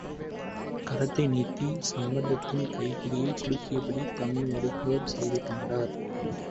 கரத்தை நீட்டி, சம்பந்தத்தின் கையைப் பிடித்துக் குலுக்கியபடியே தம்மை அறிமுகம் செய்து கொண்டார்.